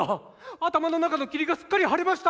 頭の中の霧がすっかり晴れました！